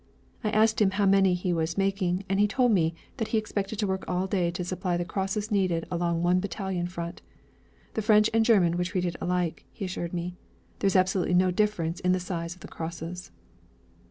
I asked him how many he was making, and he told me that he expected to work all day to supply the crosses needed along one battalion front. French and German were treated alike, he assured me. There was absolutely no difference in the size of the crosses.